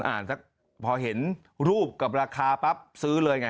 สักพอเห็นรูปกับราคาปั๊บซื้อเลยไง